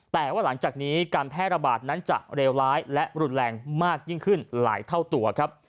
แต่ว่าหลังจากนี้การแพร่ระบาดนั้นจะเลวร้ายและรุนแรงมากยิ่งขึ้นหลายเท่าตัวครับ